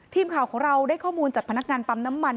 ทีมข่าวของเราได้ข้อมูลจากพนักงานปั๊มน้ำมัน